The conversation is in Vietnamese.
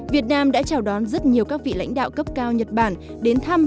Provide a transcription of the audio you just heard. việt nam đã chào đón rất nhiều các vị lãnh đạo cấp cao nhật bản đến thăm